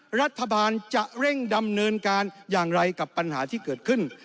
รัฐบาลจะเร่งดำเนินการอย่างไรกับปัญหาที่เกิดขึ้น